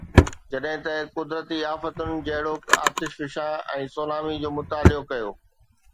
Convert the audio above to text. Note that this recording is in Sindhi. جڏهن ته قدرتي آفتن جهڙوڪ آتش فشان ۽ سونامي جو مطالعو ڪيو.